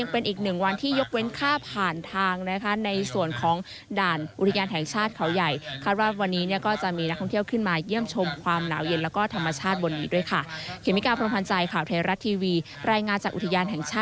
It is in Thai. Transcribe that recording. เป็นอีกหนึ่งวันที่ยกเว้นค่าผ่านทางในส่วนของด่านอุทยานแห่งชาติเขาใหญ่